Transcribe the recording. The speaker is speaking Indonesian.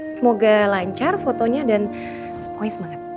semoga lancar fotonya dan pokoknya semangat